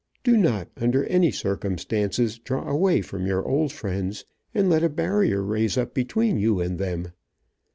Do not, under any circumstances, draw away from your old friends, and let a barrier raise up between you and them.